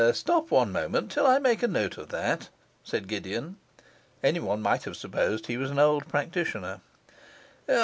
'Stop one moment till I make a note of that,' said Gideon; any one might have supposed he was an old practitioner.